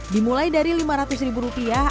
dimulai dari lima ratus ribu rupiah